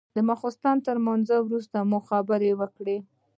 د ماخستن تر لمانځه وروسته مو خبرې وكړې.